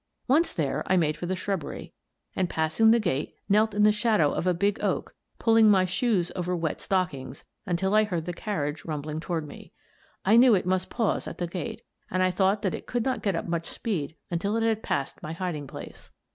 Once there, I made for the shrubbery and, pass ing the gate, knelt in the shadow of a big oak, pull ing my shoes over wet stockings, until I heard the carriage rumbling toward me. I knew it must pause at the gate, and I thought that it could not get up much speed until it had passed my hiding place.